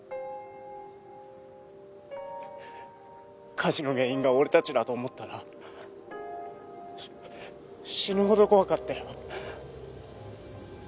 火事の原因が俺たちだと思ったら死ぬほど怖かったよ。